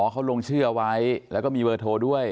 อ๋อเขาลงเชื่อไว้แล้วก็มีเวอร์โทรศัพท์ด้วย